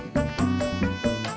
sampai ga emang temen